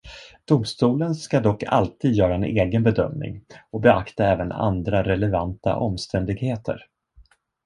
Domstolen ska dock alltid göra en egen bedömning och beakta även andra relevanta omständigheter.